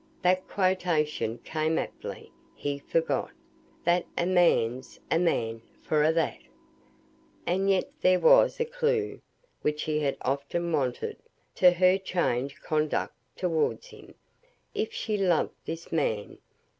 That quotation came aptly; he forgot "That a man's a man for a' that." And yet here was a clue, which he had often wanted, to her changed conduct towards him. If she loved this man.